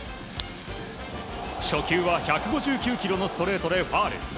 初球は１５９キロのストレートでファウル。